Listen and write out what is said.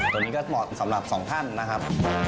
ตรงนี้ก็เหมาะสำหรับสองท่านนะครับ